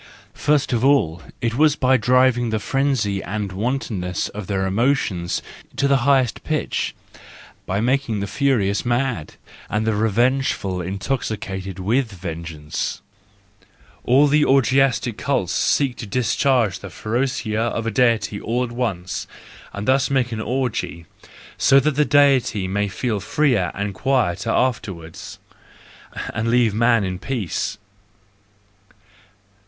First of all, it was by driving the frenzy and wantonness of their emotions to the highest pitch, by making the furious mad, and the revengeful intoxicated with vengeance:—all the orgiastic cults seek to discharge the ferocia of a deity all at once and thus make an orgy, so that the deity may feel freer and quieter afterwards, and leave man in peace.